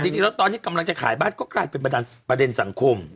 จริงแล้วตอนนี้กำลังจะขายบ้านก็กลายเป็นประเด็นสังคม